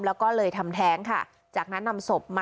แล้วก็เลยทำแท้งค่ะจากนั้นนำศพมา